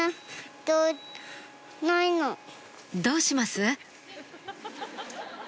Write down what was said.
どうします？